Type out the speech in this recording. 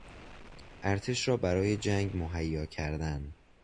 ارتش را برای جنگ مهیا کردن